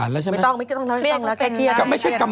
ไม่ต้องแค่เครียด